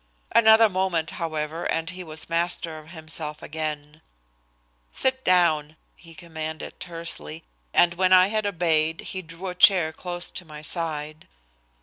Another moment, however, and he was master of himself again. "Sit down," he commanded tersely, and when I had obeyed he drew a chair close to my side.